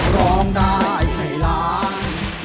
ร้องได้ให้ล้าน